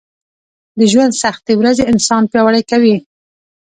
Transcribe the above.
د ژونــد سختې ورځې انـسان پـیاوړی کوي